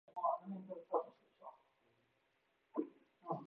アマパー州の州都はマカパである